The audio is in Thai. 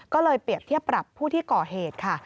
ก็เลยเปรียบเทียบปรับผู้ที่ก่อเหตุค่ะ